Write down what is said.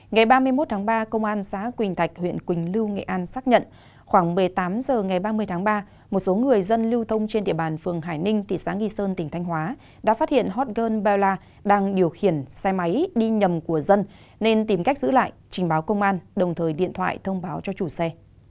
ngày ba mươi một tháng ba công an xã quỳnh thạch huyện quỳnh lưu nghệ an xác nhận khoảng một mươi tám h ngày ba mươi tháng ba một số người dân lưu thông trên địa bàn phường hải ninh thị xã nghi sơn tỉnh thanh hóa đã phát hiện hot girl ba la đang điều khiển xe máy đi nhầm của dân nên tìm cách giữ lại trình báo công an đồng thời điện thoại thông báo cho chủ xe